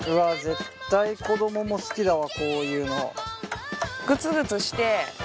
絶対子供も好きだわこういうの。